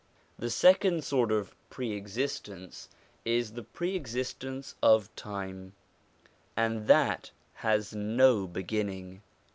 The second sort of pre existence is the pre existence of time, and that has no beginning.